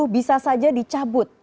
bisa saja dicabut